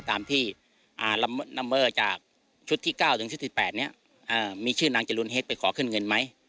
แต่ว่าอาทนัมเมอร์จากชุดที่๙ถึงชุดที่๘มีชื่อนางจรูนที่๘ไปขอขึ้นเงินไหม